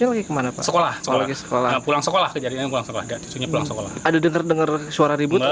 ada dengar suara ribut